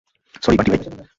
Sorry, বান্টি-ভাই।